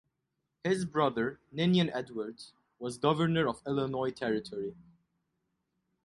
His brother Ninian Edwards was Governor of Illinois Territory.